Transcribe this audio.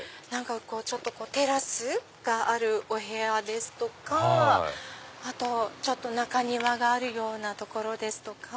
テラスがあるお部屋ですとかあとちょっと中庭があるような所ですとか。